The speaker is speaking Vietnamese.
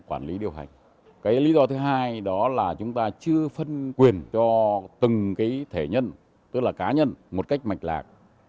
cái lý do thứ hai đó là chúng ta chưa phân quyền cho từng cái thể nhân tức là cá nhân một cách mạch lạc